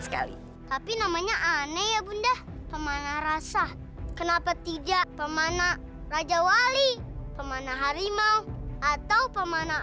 sekali tapi namanya aneh bunda pemanah rasa kenapa tidak pemanah raja wali pemanah harimau atau pemanah